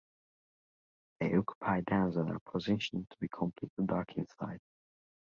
They occupy dens that are positioned to be completely dark inside.